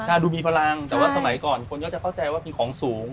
ถ้าดูมีพลังแต่ว่าสมัยก่อนคนก็จะเข้าใจว่ามีของสูง